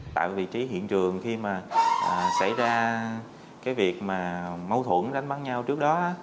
tại vị trí hiện trường khi mà xảy ra cái việc mà mâu thuẫn đánh bắn nhau trước đó